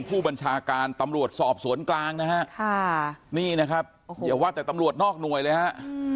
ผู้บัญชาการตำรวจสอบสวนกลางนะฮะค่ะนี่นะครับอย่าว่าแต่ตำรวจนอกหน่วยเลยฮะ